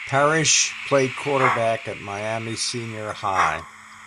Parrish played quarterback at Miami Senior High.